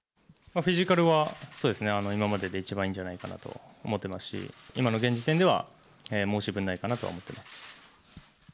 フィジカルは、そうですね、今までで一番いいんじゃないかなと思ってますし、今の現時点では、申し分ないかなと思ってます。